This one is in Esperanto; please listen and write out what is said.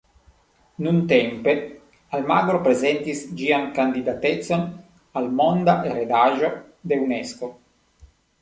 Nuntempe, Almagro prezentis ĝian kandidatecon al Monda heredaĵo de Unesko.